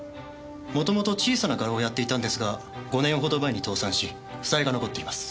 元々小さな画廊をやっていたんですが５年ほど前に倒産し負債が残っています。